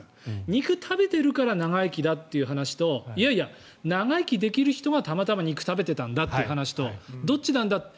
肉を食べているから長生きだっていう話といやいや、長生きできる人がたまたま肉を食べてたんだって話とどっちなんだって。